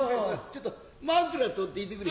ちょっと枕取ってきてくれ。